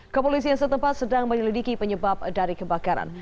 kepolisian setempat sedang menyelidiki penyebab dari kebakaran